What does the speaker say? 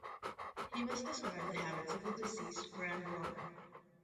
He must describe the habits of the deceased Grand Lama.